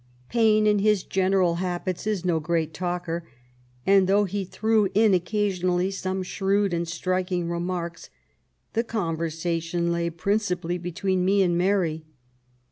Paine, in his general habits, is no great talker ; and, though he threw in occasionally some shrewd and striking remarks, the conversation lay principally between me and Mary.